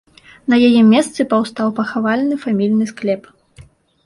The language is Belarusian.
На яе месцы паўстаў пахавальны фамільны склеп.